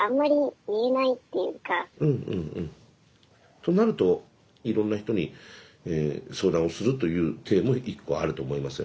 となるといろんな人に相談をするという体も１個あると思いますよね。